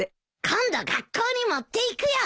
今度学校に持っていくよ。